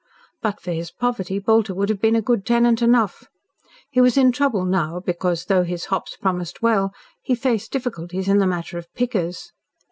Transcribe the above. But for his poverty Bolter would have been a good tenant enough. He was in trouble now because, though his hops promised well, he faced difficulties in the matter of "pickers."